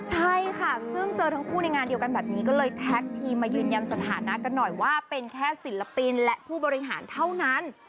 ใช่ค่ะซึ่งเจอทั้งคู่ในงานเดียวกันแบบนี้ก็เลยแท็กทีมมายืนยันสถานะกันหน่อยว่าเป็นแค่ศิลปินและผู้บริหารเท่านั้น